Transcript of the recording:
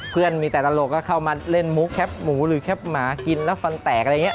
เพื่อนมีแต่ตลกก็เข้ามาเล่นหมูแคปหมูหรือแคปหมากินแล้วฟันแตกอะไรอย่างนี้